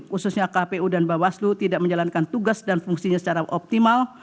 khususnya kpu dan bawaslu tidak menjalankan tugas dan fungsinya secara optimal